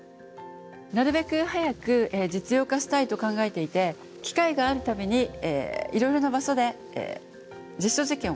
なるべく早く実用化したいと考えていて機会がある度にいろいろな場所で実証実験を行っています。